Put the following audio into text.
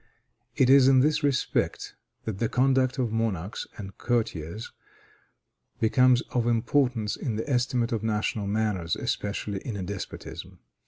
It is in this respect that the conduct of monarchs and courtiers becomes of importance in the estimate of national manners, especially in a despotism.